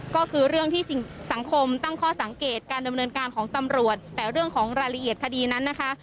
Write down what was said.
ก็คือเรื่องที่สิ่งสังคมตั้งข้อสังเกตการดำเนินการของตำรวจแต่เรื่องของรายละเอียดคดีนั้นนะคะ